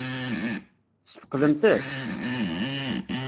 Tesfeqdemt-tt?